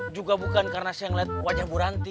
juga bukan karena saya ngeliat wajah buranti